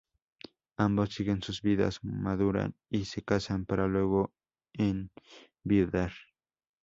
Ambos siguen sus vidas, maduran y se casan para luego enviudar.